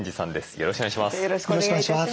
よろしくお願いします。